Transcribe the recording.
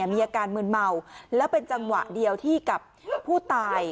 มีอาการมืนเมาแล้วเป็นจังหวะเดียวที่กับผู้ตาย